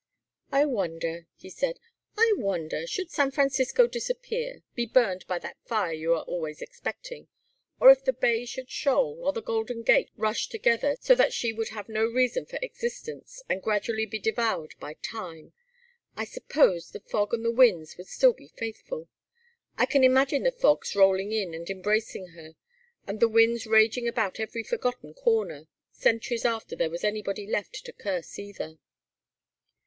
"I wonder," he said, "I wonder should San Francisco disappear be burned by that fire you are always expecting or if the bay should shoal, or the Golden Gate rush together, so that she would have no reason for existence, and gradually be devoured by time I suppose the fog and the winds would still be faithful. I can imagine the fogs rolling in and embracing her, and the winds raging about every forgotten corner, centuries after there was anybody left to curse either."